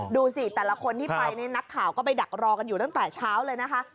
ดูสิแต่ละคนที่ไปนี่นักข่าวก็ไปดักรอกันอยู่ตั้งแต่เช้าเลยนะคะ